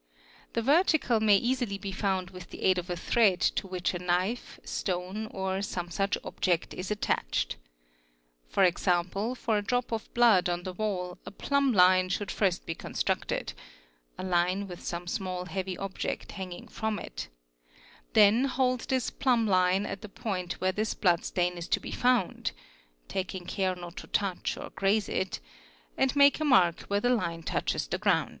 The vertical may easily be found with the aid of a thread to which a knife, 'stone, or some such object is attached. H.g. for a drop of blood on the wall a plumb line should first be constructed (a line with some small heavy object hanging from it), then hold this plumb line at the point where this blood stain is to be found (taking care not to touch cr graze it) and make a mark where the line touches the ground.